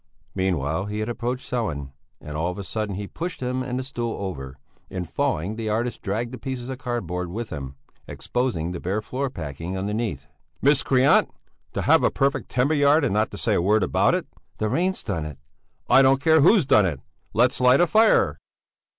Meanwhile he had approached Sellén, and all of a sudden he pushed him and the stool over; in falling the artist dragged the pieces of cardboard with him, exposing the bare floor packing underneath. "Miscreant! To have a perfect timber yard and not to say a word about it!" "The rain's done it!" "I don't care who's done it! Let's light a fire!"